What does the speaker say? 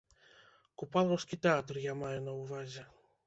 Купалаўскі тэатр, я маю на ўвазе.